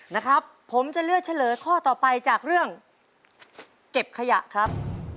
นะครับผมจะเลือกเฉลยข้อต่อไปจากเรื่องเก็บขยะครับ